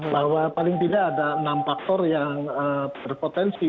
bahwa paling tidak ada enam faktor yang berpotensi